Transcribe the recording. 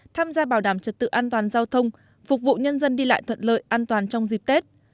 tham gia bảo đảm trật tự an toàn giao thông phục vụ nhân dân đi lại thuận lợi an toàn trong dịp tết